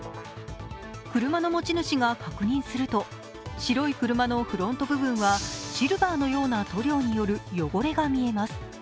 車の持ち主が確認すると、白い車のフロント部分はシルバーのような塗料による汚れが見えます。